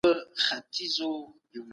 خو ژور تاثیر پرېږدي.